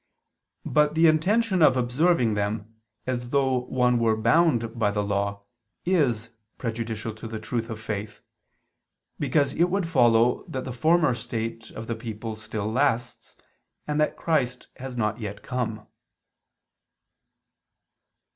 But the intention of observing them, as though one were bound by the Law, is prejudicial to the truth of faith: because it would follow that the former state of the people still lasts, and that Christ has not yet come.